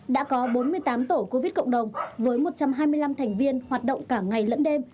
đã có bốn mươi tám tổ covid cộng đồng với một trăm hai mươi năm thành viên hoạt động cả ngày lẫn đêm